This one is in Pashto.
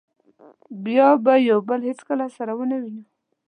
بیا به یو بل هېڅکله سره و نه وینو.